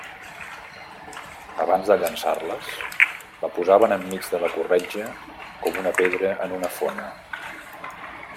Abans de llançar-les la posaven enmig de la corretja com una pedra en una fona.